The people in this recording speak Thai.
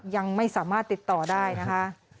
ยังไม่สามารถติดต่อได้นะคะ